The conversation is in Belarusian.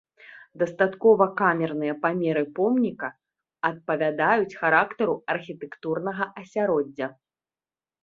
Дастаткова камерныя памеры помніка адпавядаюць характару архітэктурнага асяроддзя.